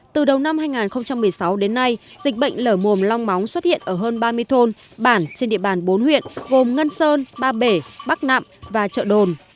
từ đầu năm hai nghìn một mươi sáu đến nay dịch bệnh lở mồm long móng xuất hiện ở hơn ba mươi thôn bản trên địa bàn bốn huyện gồm ngân sơn ba bể bắc nạm và chợ đồn